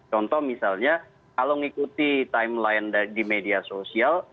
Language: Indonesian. contoh misalnya kalau mengikuti timeline di media sosial